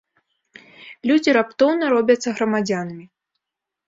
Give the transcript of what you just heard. Людзі раптоўна робяцца грамадзянамі.